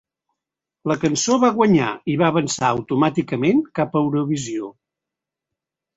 La cançó va guanyar i va avançar automàticament cap a Eurovisió.